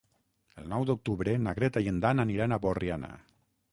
El nou d'octubre na Greta i en Dan aniran a Borriana.